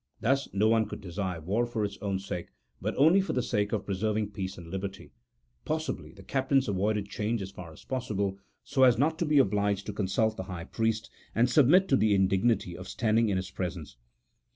Thus no one could desire war for its own sake, but only for the sake of preserving peace and liberty ; possibly the captains avoided change as far as possible, so as not to be obliged to consult the high priest and submit to the indignity of standing in his presence.